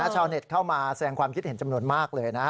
ชาวเน็ตเข้ามาแสดงความคิดเห็นจำนวนมากเลยนะ